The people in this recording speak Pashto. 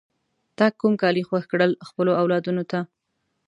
تا کوم کالی خوښ کړل خپلو اولادونو ته؟